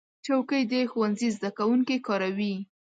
چوکۍ د ښوونځي زده کوونکي کاروي.